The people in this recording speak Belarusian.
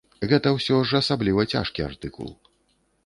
Гэта ўсё ж асабліва цяжкі артыкул.